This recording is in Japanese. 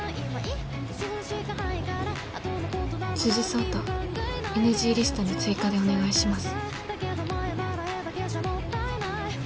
「壮太ＮＧリストに追加でお願いします」。